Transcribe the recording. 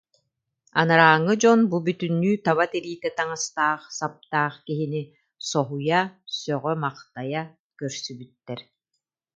Анарааҥҥы дьон бу бүтүннүү таба тириитэ таҥастаах-саптаах киһини соһуйа, сөҕө-махтайа көрсүбүттэр